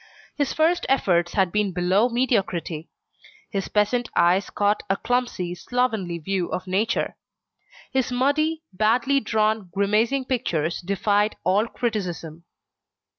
His first efforts had been below mediocrity; his peasant eyes caught a clumsy, slovenly view of nature; his muddy, badly drawn, grimacing pictures, defied all criticism.